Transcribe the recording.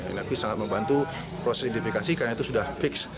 lrp sangat membantu proses identifikasi karena itu sudah fix